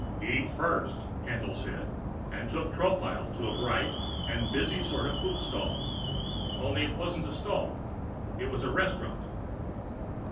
"Eat first," Haendl said, and took Tropile to a bright and busy sort of food stall. Only it wasn't a stall. It was a restaurant.